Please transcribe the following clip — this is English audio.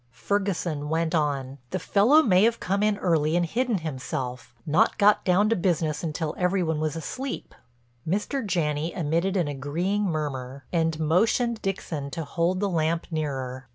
Ferguson went on: "The fellow may have come in early and hidden himself—not got down to business until every one was asleep." Mr. Janney emitted an agreeing murmur and motioned Dixon to hold the lamp nearer.